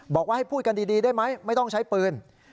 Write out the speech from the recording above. บอกว่าให้พูดกันดีได้ไหมไม่ต้องใช้ปืน